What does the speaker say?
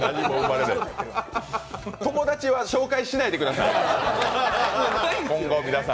友達は紹介しないでください、今後、皆さん。